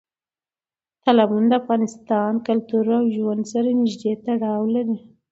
تالابونه د افغان کلتور او ژوند سره نږدې تړاو لري.